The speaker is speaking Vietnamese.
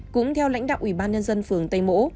cũng theo lãnh đạo ủy ban nhân dân phường tây mỗ